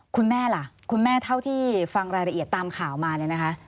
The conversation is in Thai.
คุณแม่ล่ะคุณแม่เท่าที่ฟังรายละเอียดตามข่าวมาเนี่ยนะคะ